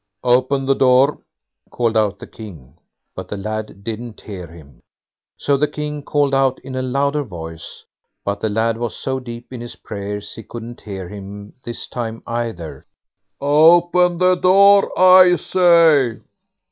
"Open the door!" called out the King; but the lad didn't hear him. So the King called out in a louder voice, but the lad was so deep in his prayers he couldn't hear him this time either. "OPEN THE DOOR, I SAY!"